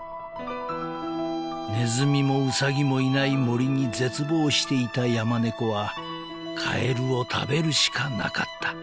［ネズミもウサギもいない森に絶望していたヤマネコはカエルを食べるしかなかった］